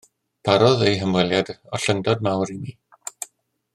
Parodd eu hymweliad ollyngdod mawr i mi.